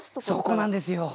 そこなんですよ